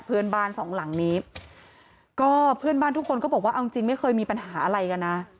เพื่อนบ้านสองหลังนี้ก็เพื่อนบ้านทุกคนก็บอกว่าเอาจริงไม่เคยมีปัญหาอะไรกันนะ